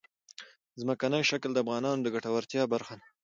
ځمکنی شکل د افغانانو د ګټورتیا برخه ده.